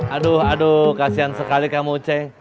aduh aduh kasihan sekali kamu cek